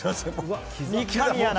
三上アナ